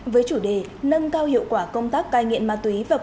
với chủ đề nâng cao hiệu quả công tác cai nghiện ma túy và